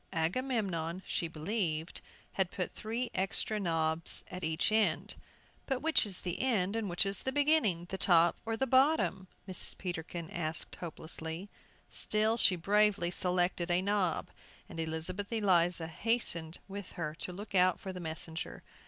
Agamemnon, she believed, had put three extra knobs at each end. "But which is the end, and which is the beginning, the top or the bottom?" Mrs. Peterkin asked hopelessly. Still she bravely selected a knob, and Elizabeth Eliza hastened with her to look out for the messenger.